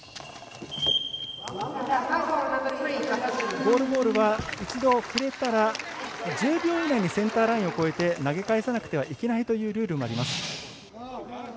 ゴールボールは一度、触れたら１０秒以内にセンターラインを越えて投げ返さなければいけないというルールもあります。